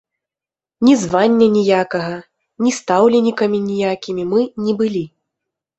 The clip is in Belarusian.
Ні звання ніякага, ні стаўленікамі ніякімі мы не былі.